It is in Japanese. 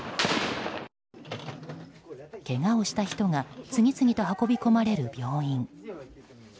けがをした人が次々と運び込まれる病院。